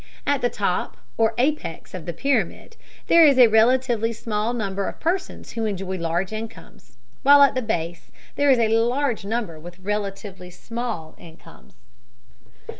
at the top or apex of the pyramid there is a relatively small number of persons who enjoy large incomes, while at the base there is a large number with relatively small incomes.